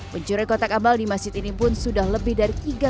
pencurian kotak amal di masjid ini pun sudah lebih dari tiga kali